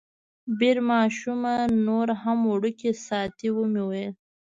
بیر ماشومه نوره هم وړوکې ساتي، ومې ویل.